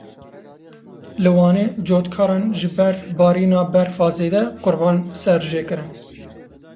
Li Wanê cotkaran ji ber barîna berfa zêde qûrban ser jê kirin.